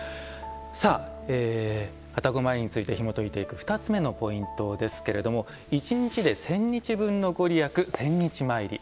さあ、愛宕詣りについてひもといていく２つ目のポイントですけれども一日で千日分の御利益「千日詣り」。